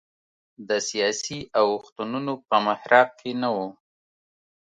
د سیاسي اوښتونونو په محراق کې نه و.